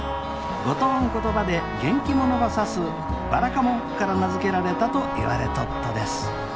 五島ん言葉で元気者ば指すばらかもんから名付けられたといわれとっとです